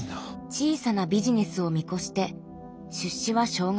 小さなビジネスを見越して出資は少額。